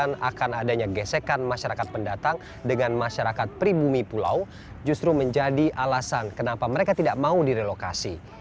yang akan adanya gesekan masyarakat pendatang dengan masyarakat pribumi pulau justru menjadi alasan kenapa mereka tidak mau direlokasi